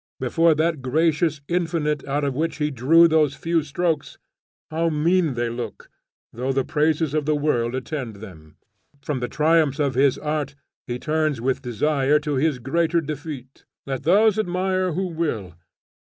Before that gracious Infinite out of which he drew these few strokes, how mean they look, though the praises of the world attend them. From the triumphs of his art he turns with desire to this greater defeat. Let those admire who will.